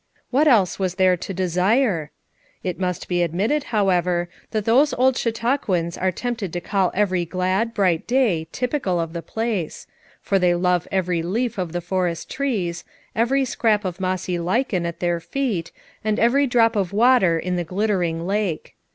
What else was there to desire? It must be admitted, however, that those old Chau tauquans are tempted to call every glad, bright day typical of the place; for they love every leaf of the forest trees, every scrap of mossy lichen at their feet, and every drop of water in the glittering lake.